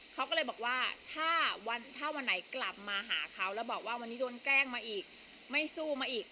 เขาก็เลยบอกว่าถ้าวันไหนกลับมาหาเขาแล้วบอกว่าวันนี้โดนแกล้งมาอีกไม่สู้มาอีก